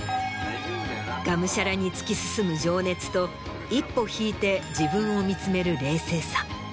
がむしゃらに突き進む情熱と一歩引いて自分を見つめる冷静さ。